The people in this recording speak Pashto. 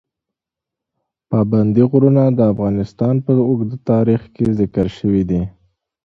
پابندي غرونه د افغانستان په اوږده تاریخ کې ذکر شوي دي.